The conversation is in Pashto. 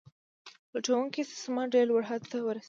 لوټونکی استثمار ډیر لوړ حد ته ورسید.